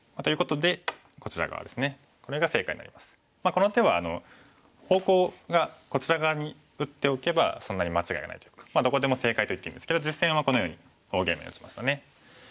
この手は方向がこちら側に打っておけばそんなに間違いがないというかどこでも正解といっていいんですけど実戦はこのように大ゲイマに打ちましたね。